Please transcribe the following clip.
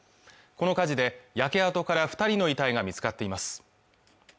この火事で焼け跡から二人の遺体が見つかっています